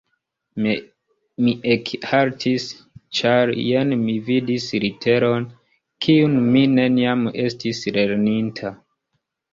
Mi ekhaltis, ĉar jen mi vidis literon, kiun mi neniam estis lerninta.